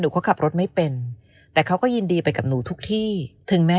เขาขับรถไม่เป็นแต่เขาก็ยินดีไปกับหนูทุกที่ถึงแม้